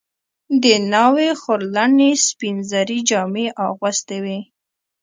د ناوې خورلڼې سپین زري جامې اغوستې وې.